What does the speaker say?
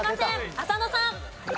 浅野さん。